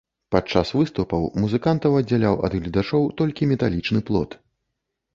Падчас выступаў музыкантаў аддзяляў ад гледачоў толькі металічны плот.